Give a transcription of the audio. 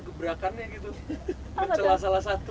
gebrakannya gitu mencelah salah satu